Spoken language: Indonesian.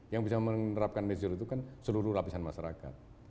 yang bisa menerapkan netizer itu kan seluruh lapisan masyarakat